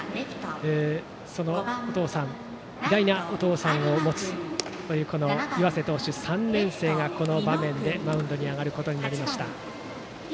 その偉大なお父さんを持つという岩瀬投手３年生が、この場面でマウンドに上がりました。